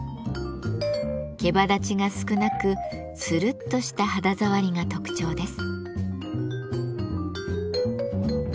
けばだちが少なくツルッとした肌触りが特徴です。